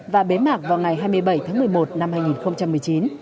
và bế mạc vào ngày hai mươi bảy tháng một mươi một năm hai nghìn một mươi chín